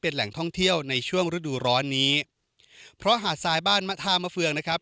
แหล่งท่องเที่ยวในช่วงฤดูร้อนนี้เพราะหาดทรายบ้านมะธามะเฟืองนะครับ